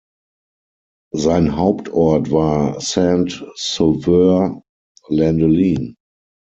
Sein Hauptort war Saint-Sauveur-Lendelin.